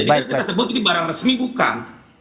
jadi kita sebut ini barang resmi bukan